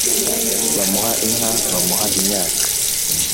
bamuha inka, bamuha imyaka,